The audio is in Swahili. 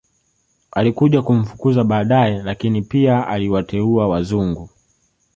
Alikuja kumfukuza badae lakini pia aliwateua wazungu